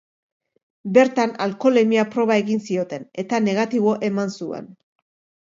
Bertan alkoholemia proba egin zioten eta negatibo eman zuen.